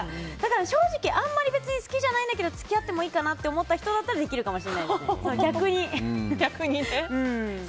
正直あまり好きじゃないんだけど付き合ってもいいかなって思った人ならできるかもしれないです、逆に。